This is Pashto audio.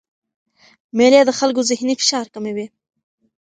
مېلې د خلکو ذهني فشار کموي.